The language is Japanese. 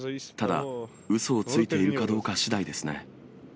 ただ、うそをついているかどうかしだいですね。